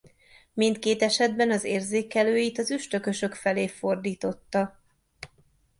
Mindkét esetben az érzékelőit az üstökösök felé fordította.